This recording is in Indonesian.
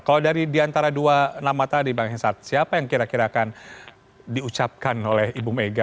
kalau dari diantara dua nama tadi bang hensat siapa yang kira kira akan diucapkan oleh ibu mega